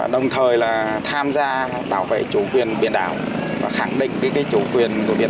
đồng thời là tham gia bảo vệ chủ quyền biển đảo và khẳng định cái chủ quyền của việt nam trên các vùng biển